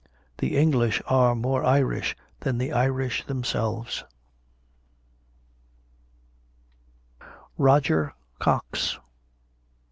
_ "(The English) are more Irish than the Irish themselves." ROGER COX.